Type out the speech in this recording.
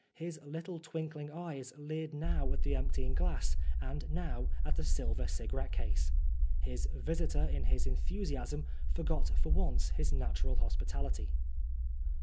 His little twinkling eyes leered now at the emptying glass and now at the silver cigarette case. His visitor, in his enthusiasm, forgot for once his natural hospitality.